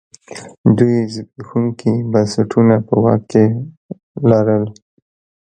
دوی زبېښونکي بنسټونه په واک کې لرل.